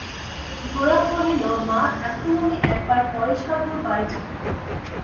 গোরা কহিল, মা, এখন আমি একবার পরেশবাবুর বাড়ি যাব।